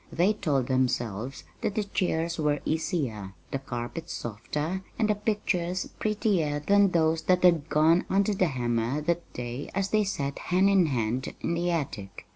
They told themselves that the chairs were easier, the carpets softer, and the pictures prettier than those that had gone under the hammer that day as they sat hand in hand in the attic.